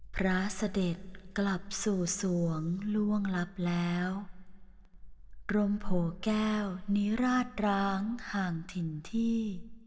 พระเสด็จกลับสู่สวงล่วงลับแล้วกรมโผแก้วนิราชร้างห่างถิ่นที่